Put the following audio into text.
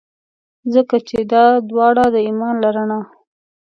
ځکه چي دا داوړه د ایمان له رڼا.